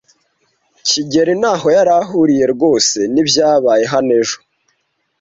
kigeli ntaho yari ahuriye rwose nibyabaye hano ejo.